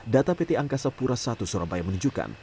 data pt angkasa pura i surabaya menunjukkan